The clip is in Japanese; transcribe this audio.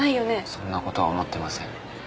そんなことは思ってません。